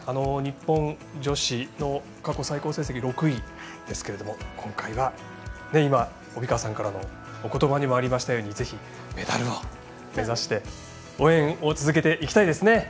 日本女子の過去最高成績６位ですけれども今回は、今、帯川さんからのおことばにもありましたようにぜひ、メダルを目指して応援を続けていきたいですね。